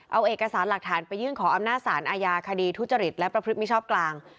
เอาเอกสารหลักฐานไปยื่นขออำนาจสารอาญาคดีทุจริตและประพฤติมิชอบกลาง